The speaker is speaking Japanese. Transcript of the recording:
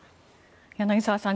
柳澤さん